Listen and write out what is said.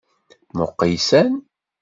Muqel san!